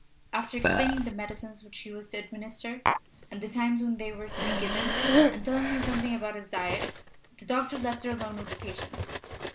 After explaining the medicines which she was to administer, and the times when they were to be given, and telling her something about his diet, the doctor left her alone with the patient.